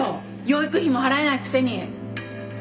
養育費も払えないくせに。